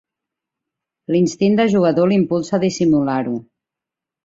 L'instint de jugador l'impulsa a dissimular-ho.